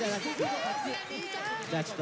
じゃあちょっと。